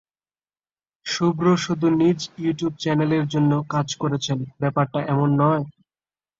শুভ্র শুধু নিজ ইউটিউব চ্যানেলের জন্য কাজ করছেন, ব্যাপারটা এমন নয়।